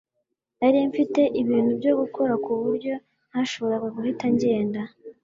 Nari mfite ibintu byo gukora ku buryo ntashobora guhita ngenda